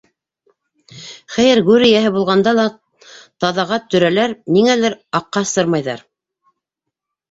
- Хәйер, гүр эйәһе булғанда ла таҙаға төрәләр, ниңәлер... аҡҡа сырмайҙар...